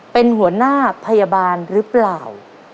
เป็นหัวหน้าพยาบาลหรือเปล่า